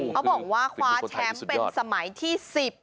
เขาบอกว่าคว้าแชมป์เป็นสมัยที่๑๐